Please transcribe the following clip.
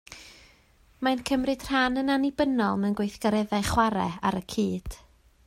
Mae'n cymryd rhan yn annibynnol mewn gweithgareddau chwarae ar y cyd